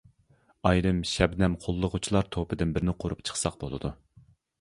ئايرىم شەبنەم قوللىغۇچىلار توپىدىن بىرنى قۇرۇپ چىقساق بولىدۇ.